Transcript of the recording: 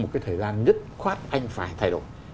một cái thời gian dứt khoát anh phải thay đổi